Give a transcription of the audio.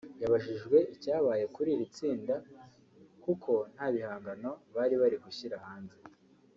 yabajijwe icyabaye kuri iri tsinda kuko nta bihangano bari bari gushyira hanze